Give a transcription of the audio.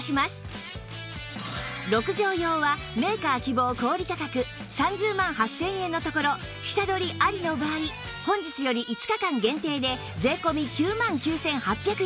６畳用はメーカー希望小売価格３０万８０００円のところ下取りありの場合本日より５日間限定で税込９万９８００円